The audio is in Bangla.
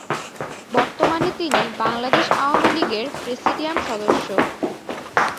বর্তমানে তিনি বাংলাদেশ আওয়ামীলীগের প্রেসিডিয়াম সদস্য।